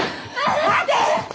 待て！